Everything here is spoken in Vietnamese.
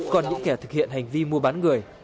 còn những kẻ thực hiện hành vi mua bán người